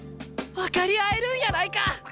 分かり合えるんやないか！